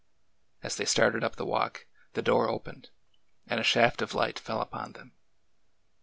As they started up the walk, the door opened, and a shaft of light fell upon them.